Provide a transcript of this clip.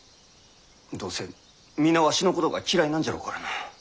どうせ皆わしのことが嫌いなんじゃろうからな。